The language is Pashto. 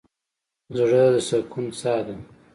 زړه د سکون څاه ده.